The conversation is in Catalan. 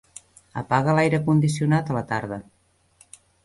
Apaga l'aire condicionat a la tarda.